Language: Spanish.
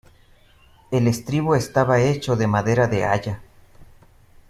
El estribo estaba hecho de madera de haya.